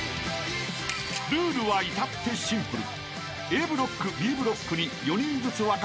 ［ルールは至ってシンプル］